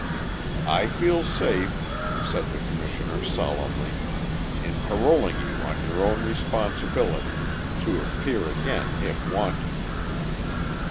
"I feel safe," said the Commissioner solemnly, "in paroling you on your own responsibility, to appear again if wanted."